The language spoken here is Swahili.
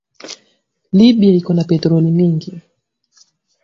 Libya iko na petroli mingi